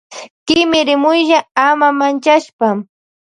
Kimirimuylla ama manchashpa.